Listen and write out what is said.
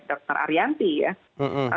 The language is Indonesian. dr arianti ya